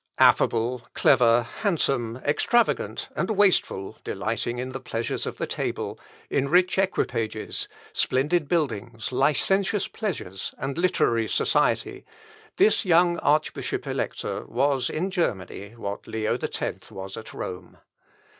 Affable, clever, handsome, extravagant, and wasteful, delighting in the pleasures of the table, in rich equipages, splendid buildings, licentious pleasures, and literary society, this young Archbishop Elector was in Germany what Leo X was at Rome.